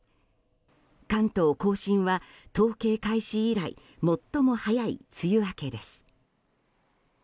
関東・甲信は統計開始以来最も早い梅雨明けです。